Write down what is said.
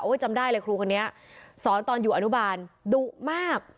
จำได้เลยครูคนนี้สอนตอนอยู่อนุบาลดุมาก